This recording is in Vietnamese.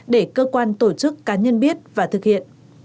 để cơ quan tổ chức cá nhân biết và thực hiện